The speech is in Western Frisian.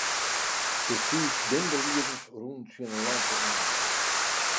De fiif bindelieders rûnen tsjin 'e lampe oan.